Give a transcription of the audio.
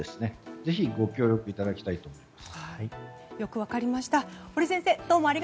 ぜひご協力いただきたいです。